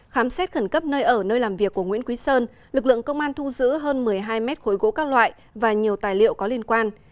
khám xét khẩn cấp nơi ở nơi làm việc của nguyễn quý sơn lực lượng công an thu giữ hơn một mươi hai mét khối gỗ các loại và nhiều tài liệu có liên quan